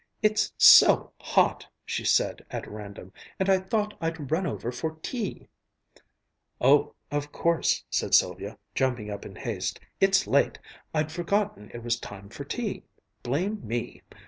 "It's so hot," she said, at random, "and I thought I'd run over for tea " "Oh, of course," said Sylvia, jumping up in haste, "it's late! I'd forgotten it was time for tea! Blame _me!